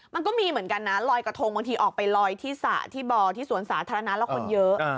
มันก็มีเหมือนกันนะลอยกระทงบางทีออกไปลอยที่สระที่บ่อที่สวนสาธารณะแล้วคนเยอะ